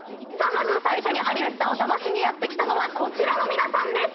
まず最初に有吉さんをダマしにやって来たのはこちらの皆さんです。